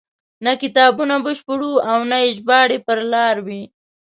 نه کتابونه بشپړ وو او نه یې ژباړې پر لار وې.